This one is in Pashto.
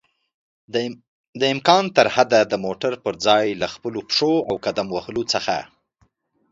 دامکان ترحده د موټر پر ځای له خپلو پښو او قدم وهلو څخه